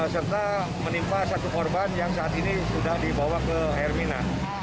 serta menimpa satu korban yang saat ini sudah dibawa ke hermina